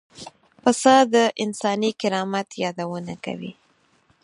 پسه د انساني کرامت یادونه کوي.